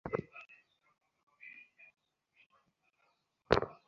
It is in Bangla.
আশ্রিত প্রতিপালিত ব্যক্তিদের প্রতি আতিথ্যে তিলমাত্র ত্রুটি ঘটিতে দিত না।